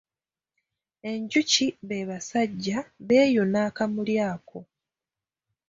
Enjuki be basajja beeyuna akamuli ako.